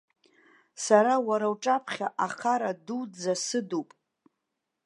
Сара уара уҿаԥхьа ахара дуӡӡа сыдуп.